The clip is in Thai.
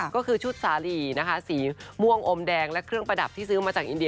ก็คือชุดสาหรี่นะคะสีม่วงอมแดงและเครื่องประดับที่ซื้อมาจากอินเดี